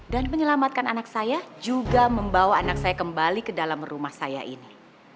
dan menyelamatkan anak saya juga membawa anak saya kembali ke dalam rumah saya ini